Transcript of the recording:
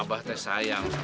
abah teh sayang